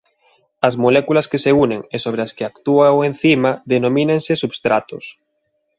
As moléculas que se unen e sobre as que actúa o encima denomínanse substratos.